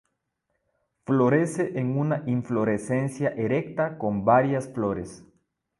Florece en una inflorescencia erecta con varias flores.